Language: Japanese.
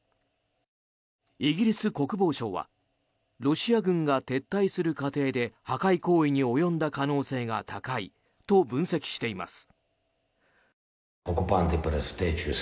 イギリス国防省はロシア軍が撤退する過程で破壊行為に及んだ可能性が高いと分析しています。